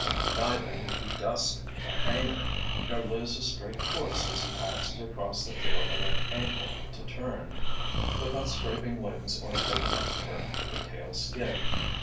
Neither did he "dust" the hangar, nor lose his straight course as he taxied across the field at an angle to turn, without scraping wings or digging up turf with the tail skid.